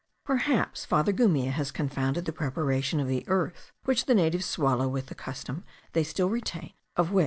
Perhaps Father Gumilla has confounded the preparation of the earth which the natives swallow with the custom they still retain (of which M.